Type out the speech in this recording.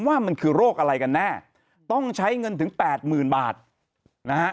ว่ามันคือโรคอะไรกันแน่ต้องใช้เงินถึงแปดหมื่นบาทนะฮะ